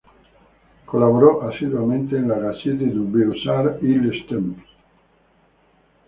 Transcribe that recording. Colaboró asiduamente en la Gazette des Beaux-Arts y Le Temps.